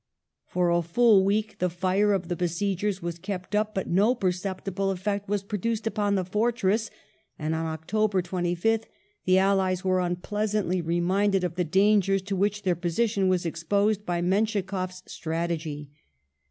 The Battle For a full week the fire of the besiegei s was kept up, but no dava^^ perceptible effect was produced upon the fortress, and on October Oct. 26th 25th the allies were unpleasantly reminded of the dangei s to which their position was exposed by Menschikoff's strategy.